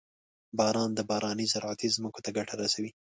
• باران د بارانۍ زراعتي ځمکو ته ګټه رسوي.